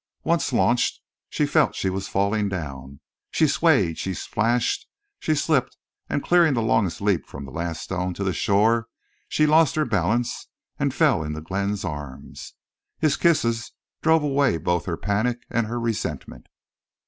Once launched, she felt she was falling downhill. She swayed, she splashed, she slipped; and clearing the longest leap from the last stone to shore she lost her balance and fell into Glenn's arms. His kisses drove away both her panic and her resentment.